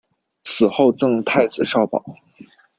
死后赠太子少保。